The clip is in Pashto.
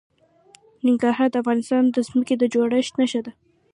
ننګرهار د افغانستان د ځمکې د جوړښت نښه ده.